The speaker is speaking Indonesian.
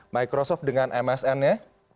microsoft dengan msn nya